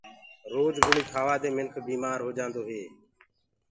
روج گُݪي کهآوآ دي منک بيمآر هوجآندو هي۔